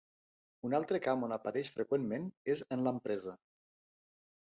Un altre camp on apareix freqüentment és en l'empresa.